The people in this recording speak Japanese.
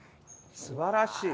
すばらしい。